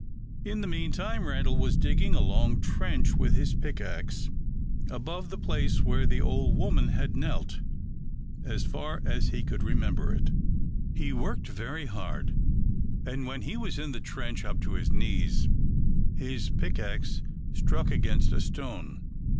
In the meantime, Randal was digging a long trench with his pickaxe, above the place where the old woman had knelt, as far as he could remember it. He worked very hard, and when he was in the trench up to his knees, his pickaxe struck against a stone.